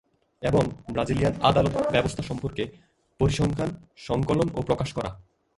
এবং ব্রাজিলিয়ান আদালত ব্যবস্থা সম্পর্কে পরিসংখ্যান সংকলন ও প্রকাশ করা।